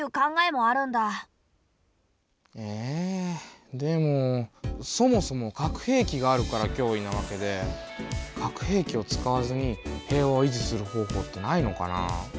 えでもそもそも核兵器があるからきょういなわけで核兵器を使わずに平和を維持する方法ってないのかな？